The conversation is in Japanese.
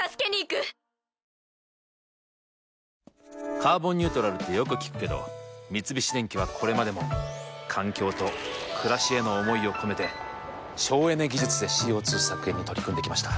「カーボンニュートラル」ってよく聞くけど三菱電機はこれまでも環境と暮らしへの思いを込めて省エネ技術でＣＯ２削減に取り組んできました。